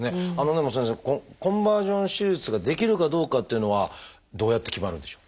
でも先生このコンバージョン手術ができるかどうかっていうのはどうやって決まるんでしょう？